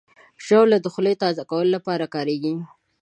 ژاوله د خولې تازه کولو لپاره کارېږي.